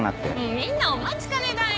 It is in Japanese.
みんなお待ちかねだよ！